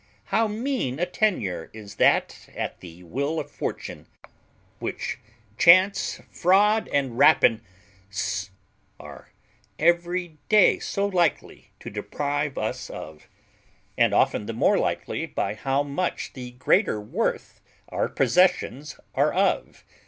How mean a tenure is that at the will of fortune, which chance, fraud, and rapine are every day so likely to deprive us of, and often the more likely by how much the greater worth our possessions are of!